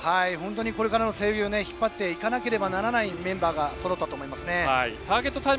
これからの背泳ぎを引っ張っていかなければいけないメンバーがそろったと思いますね。